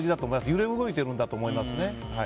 揺れ動いていると思います。